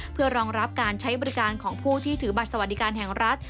เพื่อรองรับการใช้บริการของผู้ที่ถือบัตรสวัสดิการแห่งรัฐ